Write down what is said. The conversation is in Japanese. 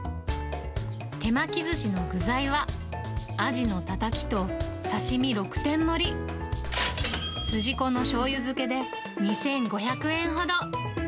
手巻きずしの具材はアジのたたきと刺身６点盛り、筋子のしょうゆ漬けで２５００円ほど。